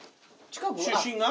出身が？